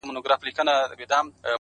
مور مي خپه ده ها ده ژاړي راته!!